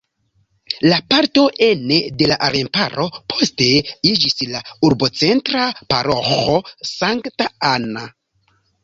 La parto ene de la remparo poste iĝis la urbocentra paroĥo Sankta Anna.